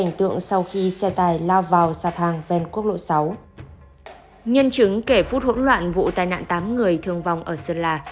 nhân chứng kể phút hỗn loạn vụ tai nạn tám người thương vong ở sơn la